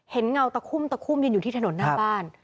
เงาตะคุ่มตะคุ่มยืนอยู่ที่ถนนหน้าบ้าน